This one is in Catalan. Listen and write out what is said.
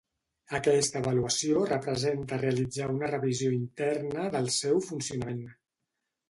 Aquesta avaluació representa realitzar una revisió interna del seu funcionament.